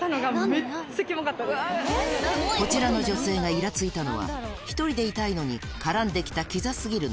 こちらの女性がイラついたのは１人でいたいのに絡んで来たキザ過ぎる